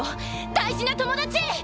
大事な友達。